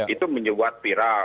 itu menyebuat viral